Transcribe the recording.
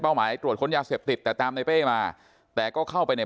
หมายตรวจค้นยาเสพติดแต่ตามในเป้มาแต่ก็เข้าไปใน